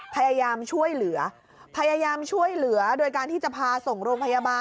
พยายามช่วยเหลือพยายามช่วยเหลือโดยการที่จะพาส่งโรงพยาบาล